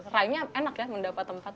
rai nya enak ya mendapat tempat